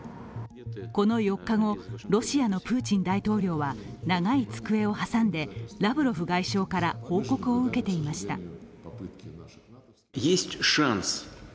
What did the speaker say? この４日後、ロシアのプーチン大統領は長い机を挟んで、ラブロフ外相から報告を受けていました。